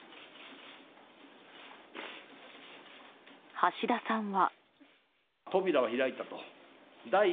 橋田さんは。